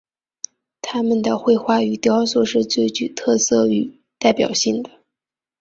他们的绘画与雕塑是最具特色与代表性的。